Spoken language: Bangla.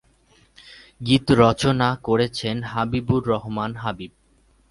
গীত রচনা করেছেন হাবিবুর রহমান হাবিব।